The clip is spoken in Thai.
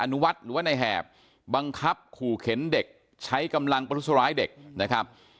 นุวัฒน์หรือว่าในแหบบังคับขู่เข็นเด็กใช้กำลังประทุษร้ายเด็กนะครับ